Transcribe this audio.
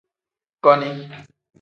Koni.